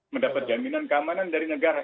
mendapat jaminan keamanan dari negara